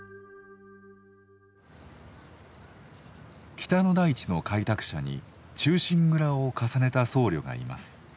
北の大地の開拓者に「忠臣蔵」を重ねた僧侶がいます。